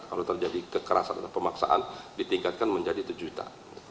kalau terjadi kekerasan atau pemaksaan ditingkatkan menjadi tujuh juta